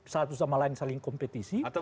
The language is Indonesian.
satu sama lain saling kompetisi